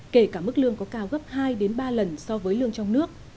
kể cả mức lương có cao gấp hai ba lần so với lương trong nước